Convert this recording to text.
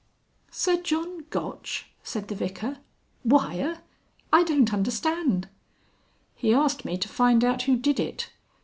"Sir John Gotch!" said the Vicar. "Wire! I don't understand." "He asked me to find out who did it.